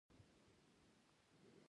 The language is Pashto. ملی آتڼ د لوی افغانستان کلتور او آنځور دی.